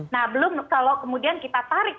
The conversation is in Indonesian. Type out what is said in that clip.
nah belum kalau kemudian kita tarik